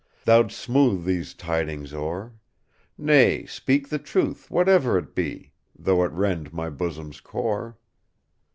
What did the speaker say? Thou 'dst smooth these tidings o'er,—Nay, speak the truth, whatever it be, Though it rend my bosom's core.